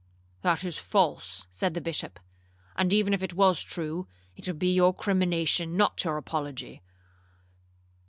'—'That is false,' said the Bishop; 'and even if it was true, it would be your crimination, not your apology.